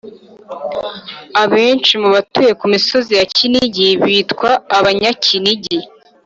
Abenshi mu batuye ku misozi ya Kinigi bitwa Abanyakinigi.